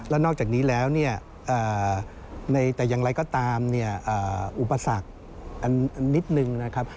และนอกจากนี้แล้วแต่อย่างไรก็ตามอุปสรรคนิดหนึ่งนะครับ